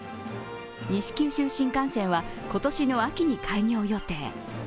西九州新幹線は今年の秋に開業予定。